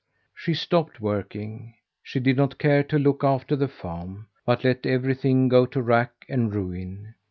She stopped working. She did not care to look after the farm, but let everything go to rack and ruin.